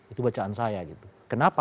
itu bacaan saya gitu kenapa